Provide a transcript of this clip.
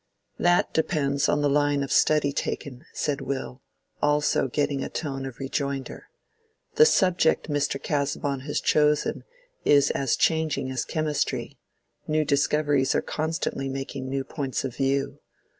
"That depends on the line of study taken," said Will, also getting a tone of rejoinder. "The subject Mr. Casaubon has chosen is as changing as chemistry: new discoveries are constantly making new points of view.